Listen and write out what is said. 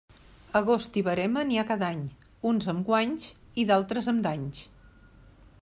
Agost i verema n'hi ha cada any, uns amb guanys i d'altres amb danys.